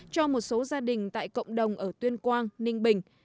cho một số gia đình tại cộng đồng ở tuyên quang ninh bình